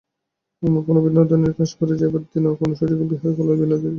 অন্নপূর্ণা ও বিনোদিনীর কাশীতে যাইবার দিন কোনো সুযোগে বিহারী বিরলে বিনোদিনীর সহিত দেখা করিল।